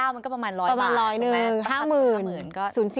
๙๙มันก็ประมาณ๑๐๐บาทประมาณ๑๐๐หนึ่ง๕๐๐๐๐